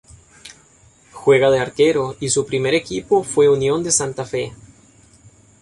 Juega de arquero y su primer equipo fue Unión de Santa Fe.